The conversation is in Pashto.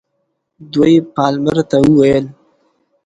دوی پالمر ته وویل.